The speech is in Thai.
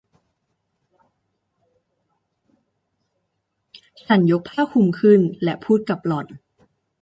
ฉันยกผ้าคลุมขึ้นและพูดกับหล่อน